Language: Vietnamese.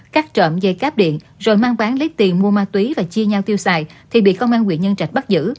cắt trộm dây cáp điện rồi mang bán lấy tiền mua ma túy và chia nhau tiêu xài thì bị công an quyện nhân trạch bắt giữ